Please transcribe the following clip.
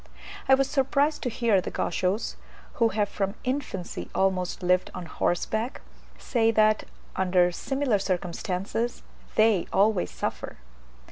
I was surprised to hear the Gauchos, who have from infancy almost lived on horseback, say that, under similar circumstances, they always suffer.